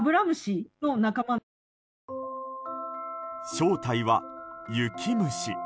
正体は雪虫。